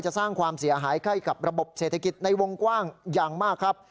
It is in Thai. สร้างความเสียหายใกล้กับระบบเศรษฐกิจในวงกว้างอย่างมากครับ